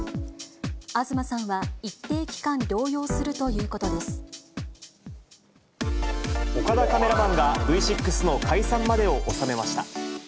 東さんは一定期間療養すると岡田カメラマンがＶ６の解散までを収めました。